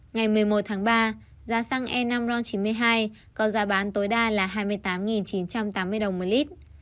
ngày một mươi một tháng ba giá xăng e năm ron chín mươi hai có giá bán tối đa là hai mươi tám chín trăm tám mươi đồng một lít